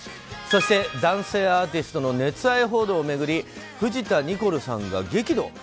そして、男性アーティストの熱愛報道を巡り藤田ニコルさんが激怒。